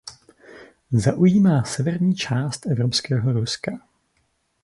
Zaujímá severní část evropského Ruska.